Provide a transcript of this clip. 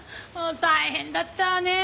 大変だったわねえ。